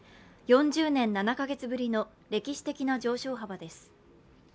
４０年７か月ぶりの歴史的な上昇幅です。